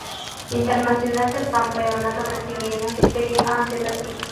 Internacional del Campeonato Brasileño de Serie A de Brasil.